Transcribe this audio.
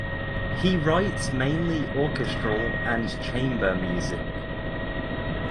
He writes mainly orchestral and chamber music.